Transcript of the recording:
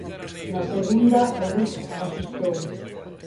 Na segunda, o Dux asustou.